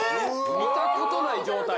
見たことない状態。